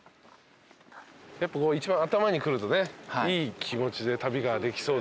やっぱ一番頭に来るとねいい気持ちで旅ができそうです。